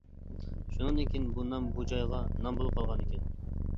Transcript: شۇنىڭدىن كېيىن بۇ نام بۇ جايغا نام بولۇپ قالغانىكەن.